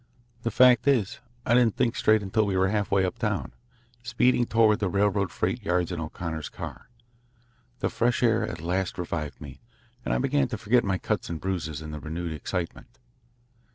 The fact is I didn't think straight until we were halfway uptown, speeding toward the railroad freight yards in O'Connor's car. The fresh air at last revived me, and I began to forget my cuts and bruises in the renewed excitement.